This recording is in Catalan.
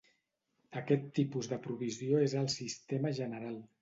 Aquest tipus de provisió és el sistema general.